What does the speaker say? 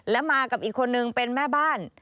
และมากับอีกคนนึงเป็นแม่บ้าน